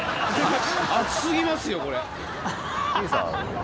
熱過ぎますよこれ。